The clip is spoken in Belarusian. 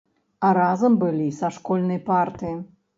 А разам былі са школьнай парты.